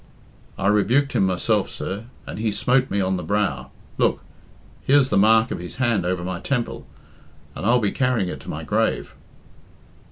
"I rebuked him myself, sir, and he smote me on the brow. Look! Here's the mark of his hand over my temple, and I'll be carrying it to my grave."